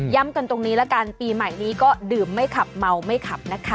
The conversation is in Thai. กันตรงนี้ละกันปีใหม่นี้ก็ดื่มไม่ขับเมาไม่ขับนะคะ